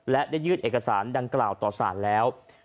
และได้ยื่นเอกสารดังกล่าวต่อสารแล้ว